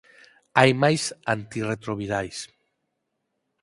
hai máis antirretrovirais